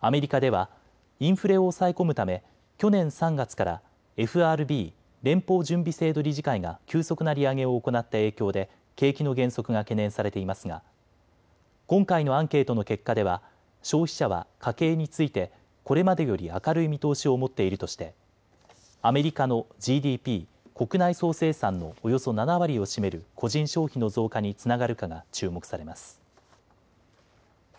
アメリカではインフレを抑え込むため去年３月からＦＲＢ・連邦準備制度理事会が急速な利上げを行った影響で景気の減速が懸念されていますが今回のアンケートの結果では消費者は家計についてこれまでより明るい見通しを持っているとしてアメリカのＧＤＰ・国内総生産のおよそ７割を占める個人消費の増加につながるかが注目されます。